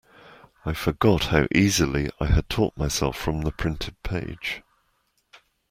I forgot how easily I had taught myself from the printed page.